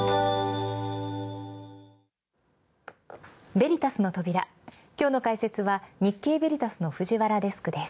ヴェリタスの扉、今日の解説は日経ヴェリタスの藤原デスクです。